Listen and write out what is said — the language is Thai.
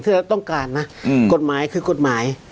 เราต้องการนะกฎหมายคือกฎหมาย